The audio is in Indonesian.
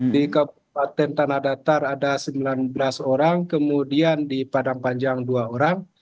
di kabupaten tanah datar ada sembilan belas orang kemudian di padang panjang dua orang